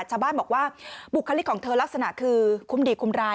ชาวบ้านบอกว่าบุคลิกของเธอลักษณะคือคุ้มดีคุ้มร้าย